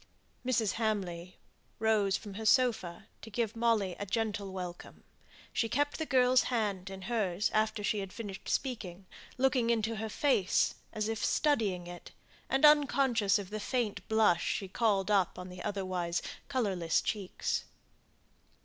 Mrs. Hamley rose from her sofa to give Molly a gentle welcome; she kept the girl's hand in hers after she had finished speaking, looking into her face, as if studying it, and unconscious of the faint blush she called up on the otherwise colourless cheeks.